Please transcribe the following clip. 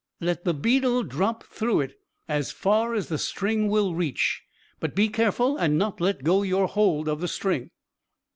"Let the beetle drop through it, as far as the string will reach but be careful and not let go your hold of the string."